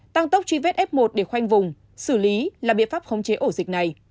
tăng tốc truy vết f một để khoanh vùng xử lý là biện pháp khống chế ổ dịch này